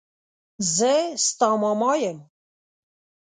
زه ستا ماما يم.